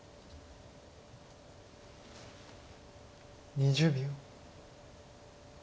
２０秒。